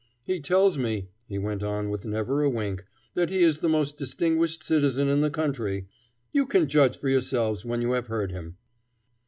"He tells me," he went on with never a wink, "that he is the most distinguished citizen in the country. You can judge for yourselves when you have heard him."